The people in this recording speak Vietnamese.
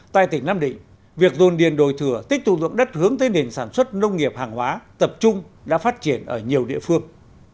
tại tỉnh nam định việc dồn điền đổi thừa tích tụ dụng đất hướng tới nền sản xuất nông nghiệp hàng hóa tập trung đã phát triển ở nhiều địa phương